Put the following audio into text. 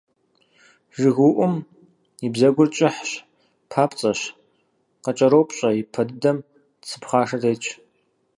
ЖыгыуӀум и бзэгур кӀыхыц, папцӀэщ, къыкӀэропщӀэ, и пэ дыдэм цы пхъашэ тетщ.